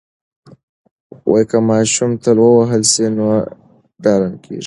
که ماشوم تل ووهل سي نو ډارن کیږي.